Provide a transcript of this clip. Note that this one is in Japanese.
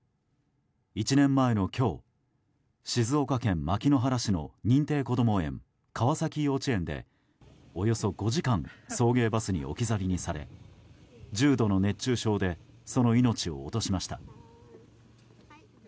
１年前の今日、静岡県牧之原市の認定こども園、川崎幼稚園でおよそ５時間送迎バスに置き去りにされ重度の熱中症でその命を落としました。